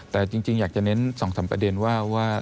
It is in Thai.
แต่จริงอยากจะเน้น๒๓ประเด็นว่า